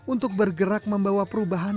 untuk bergerak membawa perubahan